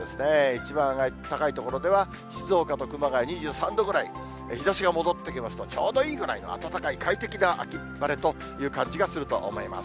一番高い所では、静岡と熊谷２３度ぐらい、日ざしが戻ってきますと、ちょうどいいぐらいの暖かい快適な秋晴れという感じがすると思います。